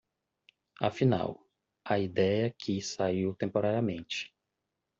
Afinal, a ideia que saiu temporariamente